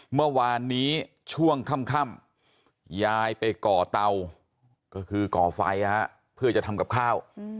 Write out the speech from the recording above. เมื่อวานนี้ช่วงค่ำยายไปก่อเตาก็คือก่อไฟเพื่อจะทำกับข้าว